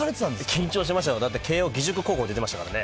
緊張してましたよ、慶應義塾高校って言ってましたからね。